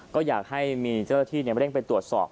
ก็อยากให้มีเจ้าหน้าที่มาเร่งไปตรวจสอบ